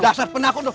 dasar penakut lo